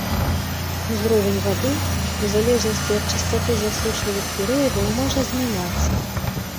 Узровень вады ў залежнасці ад частаты засушлівых перыядаў можа змяняцца.